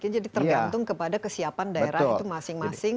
jadi tergantung kepada kesiapan daerah itu masing masing